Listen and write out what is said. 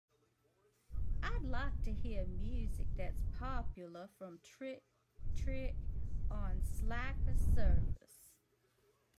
I'd like to hear music that's popular from Trick-trick on the Slacker service